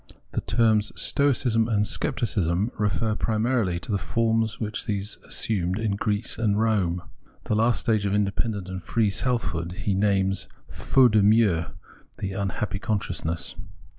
The terms Stoicism and Scepticism refer primarily to the forms which these assumed in Greece and Rome. The last stage of independent and free self hood he names, faute de mieux, the "unhappy consciousness."